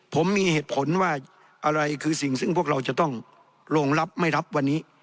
ผมมีเหตุผลว่าอะไรคือสิ่งซึ่งพวกเราจะต้องรองรับไม่รับวันนี้